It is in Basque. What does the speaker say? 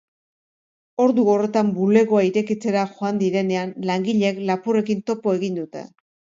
Ordu horretan, bulegoa irekitzera joan direnean, langileek lapurrekin topo egin dute.